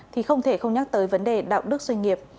thì không thể không nhắc tới vấn đề đạo đức doanh nghiệp